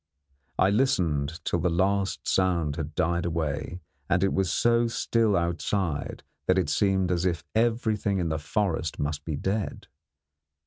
I listened till the last sound had died away and it was so still outside that it seemed as if everything in the forest must be dead.